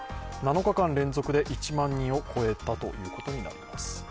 ７日間連続で１万人を超えたことになります。